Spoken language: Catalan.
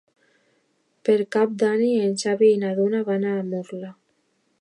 Per Cap d'Any en Xavi i na Duna van a Murla.